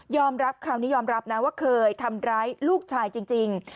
รับคราวนี้ยอมรับนะว่าเคยทำร้ายลูกชายจริง